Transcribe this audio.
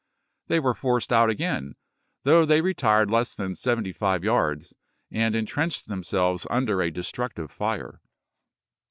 They were forced out again, though they retired less than seventy five yards, and intrenched themselves under a destructive fire.